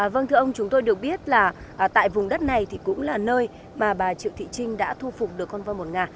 vâng thưa ông chúng tôi được biết là tại vùng đất này thì cũng là nơi mà bà triệu thị trinh đã thu phục được con vo một ngà